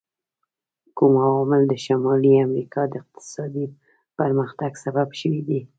کوم عوامل د شمالي امریکا د اقتصادي پرمختګ سبب شوي دي؟